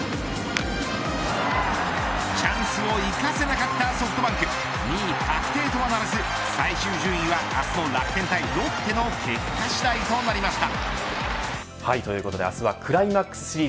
チャンスを生かせなかったソフトバンク２位確定とはならず最終順位は明日の楽天対ロッテの結果次第となりました。